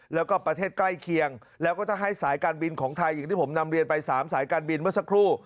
แล้วก็ประเทศใกล้เคียงแล้วก็จะให้สายการบินของไทยอย่างที่ผมนำเรียนไป๓สายการบินเมื่อสักครู่